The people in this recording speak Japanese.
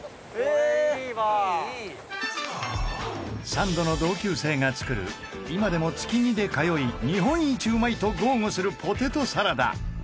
サンドの同級生が作る今でも月２で通い日本一うまいと豪語するポテトサラダ